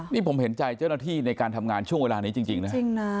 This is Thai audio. นี่ผมเห็นใจเจ้าหน้าที่ในการทำงานช่วงเวลานี้จริงนะ